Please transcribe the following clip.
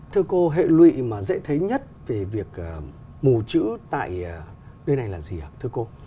thưa cô hệ lụy mà dễ thấy nhất về việc mù chữ tại nơi này là gì ạ thưa cô